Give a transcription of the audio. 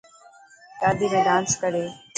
شادي ۾ ڊانس ڪري.